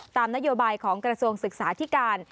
ตามนโยบายของกระทรวงศึกษาที่การ